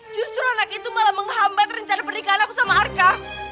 justru anak itu malah menghambat rencana pernikahan aku sama arka